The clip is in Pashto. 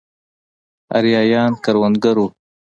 ارایایان کروندګر وو.